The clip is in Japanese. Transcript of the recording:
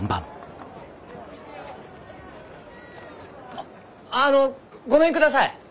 あのごめんください。